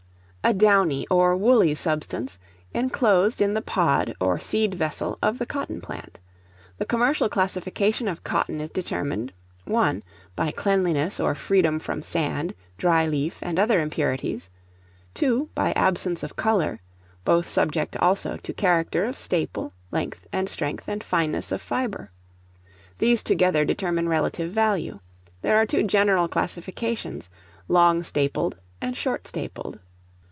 A downy or woolly substance, enclosed in the pod, or seed vessel, of the cotton plant. The commercial classification of cotton is determined 1, by cleanliness or freedom from sand, dry leaf, and other impurities; 2, by absence of color; both subject also to character of staple, length, and strength and fineness of fibre. These together determine relative value. There are two general classifications, long stapled and short stapled.